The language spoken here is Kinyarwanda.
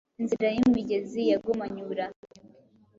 Inzira yimigezi yagumanye uburakari bwe